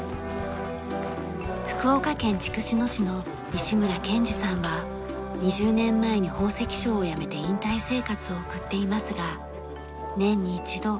福岡県筑紫野市の西村謙治さんは２０年前に宝石商を辞めて引退生活を送っていますが年に一度阿蘇山へ来て過ごす